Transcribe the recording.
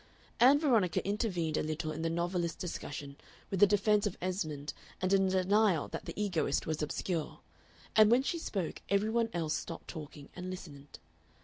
Ann Veronica intervened a little in the novelist discussion with a defence of Esmond and a denial that the Egoist was obscure, and when she spoke every one else stopped talking and listened.